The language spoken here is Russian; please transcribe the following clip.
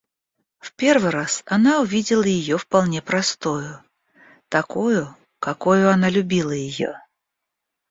В первый раз она увидела ее вполне простою, такою, какою она любила ее.